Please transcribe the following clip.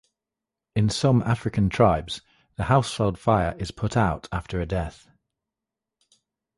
In some African tribes, the household fire is put out after a death.